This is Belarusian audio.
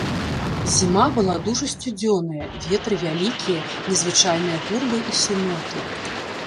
Зіма была дужа сцюдзёная, ветры вялікія, незвычайныя гурбы і сумёты.